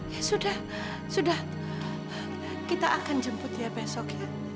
ya sudah sudah kita akan jemput ya besok ya